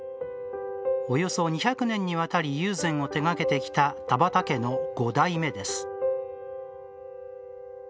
およそ２００年にわたり友禅を手がけてきた田畑家の五代目です。